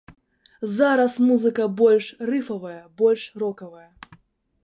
Зараз музыка больш рыфавая, больш рокавая.